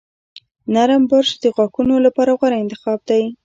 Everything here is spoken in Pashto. نرم برش د غاښونو لپاره غوره انتخاب دی.